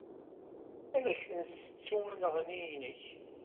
Ad ak-nessettu anneɣni-nnek.